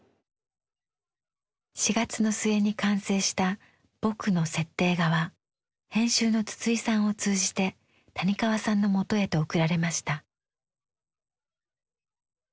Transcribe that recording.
４月の末に完成した「ぼく」の設定画は編集の筒井さんを通じて谷川さんのもとへと送られました。